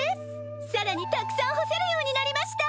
更にたくさん干せるようになりました！